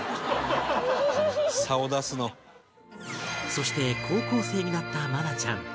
そして高校生になった愛菜ちゃん